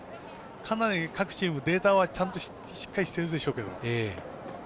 かなり各チーム、データはしっかりしてるでしょうけど。